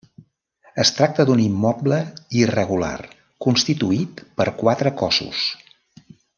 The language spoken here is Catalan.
Es tracta d'un immoble irregular constituït per quatre cossos.